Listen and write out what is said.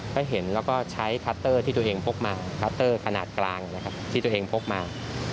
ก็เห็นแล้วก็ใช้คัตเตอร์ที่ตัวเองพกมาคัตเตอร์ขนาดกลางนะครับที่ตัวเองพกมา